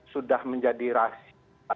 sudah menjadi rahasia